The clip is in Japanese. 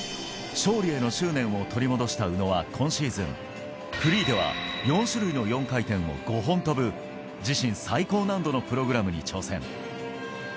勝利への執念を取り戻した宇野は今シーズン、フリーでは４種類の４回転を５本跳ぶ自身最高難度のプログラムに挑戦。